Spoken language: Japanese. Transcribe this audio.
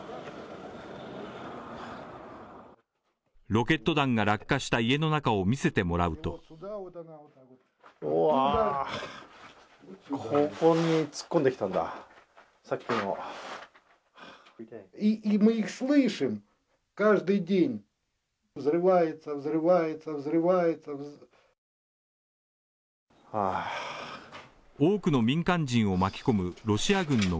ロケット弾が落下した家の中を見せてもらうとここに突っ込んできたんださっきの。